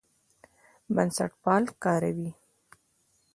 بنسټپال کاروي.